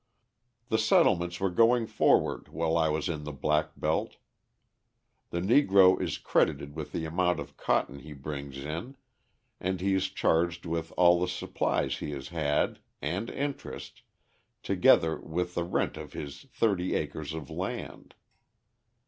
The settlements were going forward while I was in the black belt. The Negro is credited with the amount of cotton he brings in and he is charged with all the supplies he has had, and interest, together with the rent of his thirty acres of land.